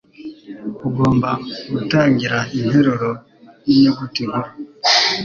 Ugomba gutangira interuro ninyuguti nkuru.